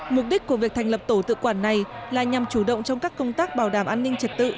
mục đích của việc thành lập tổ tự quản này là nhằm chủ động trong các công tác bảo đảm an ninh trật tự